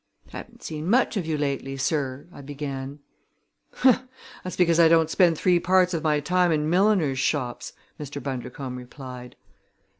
"Haven't seen much of you lately, sir," I began. "Huh! That's because I don't spend three parts of my time in milliners' shops," Mr. Bundercombe replied.